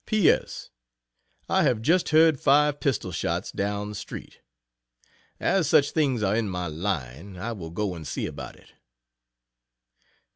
P. S. I have just heard five pistol shots down street as such things are in my line, I will go and see about it.